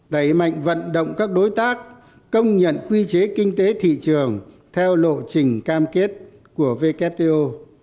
đẩy mạnh vận động các đối tác công nhận quy chế kinh tế thị trường theo lộ trình cam kết của wto